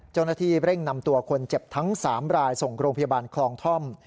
เจ้าหน้าที่เร่งนำตัวคนเจ็บทั้ง๓รายส่งโรงพยาบาลคลองท่อม